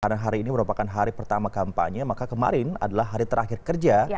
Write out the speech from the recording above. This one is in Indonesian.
karena hari ini merupakan hari pertama kampanye maka kemarin adalah hari terakhir kerja